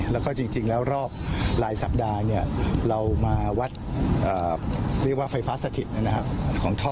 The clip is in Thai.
แล้วก็จริงแล้วรอบหลายสัปดาห์เรามาวัดเรียกว่าไฟฟ้าสถิตของท่อ